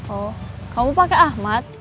oh kamu pakai ahmad